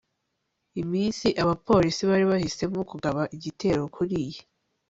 iminsi, abapolisi bari bahisemo kugaba igitero kuriyi